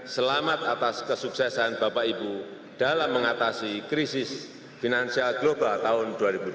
selamat atas kesuksesan bapak ibu dalam mengatasi krisis financial global tahun dua ribu delapan